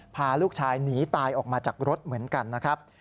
พาลูกชายหนีตายออกมาจากรถเหมือนกันนะครับ